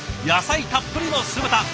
野菜たっぷりの酢豚！